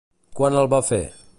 Quan el va fer?